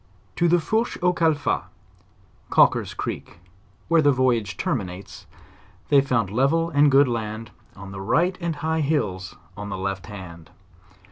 To the "Fourche au Calfat, ' 5 (Caulker's creek) where the voyage terminates, they found level and good land on the right and high hills on the left hand.